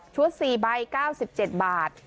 ชุด๔ใบ๙๗บาท